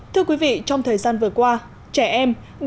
thưa quý vị trong thời gian vừa qua trẻ em